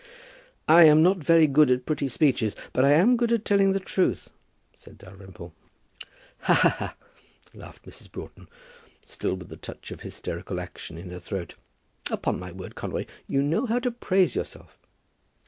"I am not very good at pretty speeches, but I am good at telling the truth," said Dalrymple. "Ha, ha, ha!" laughed Mrs. Broughton, still with a touch of hysterical action in her throat. "Upon my word, Conway, you know how to praise yourself."